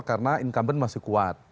karena incumbent masih kuat